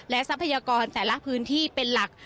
ทรัพยากรแต่ละพื้นที่เป็นหลัก